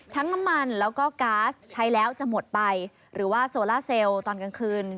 น้ำมันแล้วก็ก๊าซใช้แล้วจะหมดไปหรือว่าโซล่าเซลล์ตอนกลางคืน